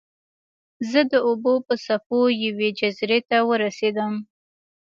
زه د اوبو په څپو یوې جزیرې ته ورسیدم.